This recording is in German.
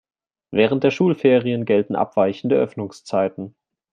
Während der Schulferien gelten abweichende Öffnungszeiten.